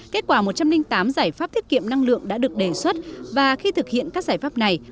kết quả một trăm linh tám giải pháp tiết kiệm năng lượng đã được đề xuất và khi thực hiện các giải pháp này